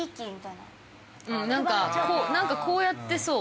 なんかなんかこうやってそう。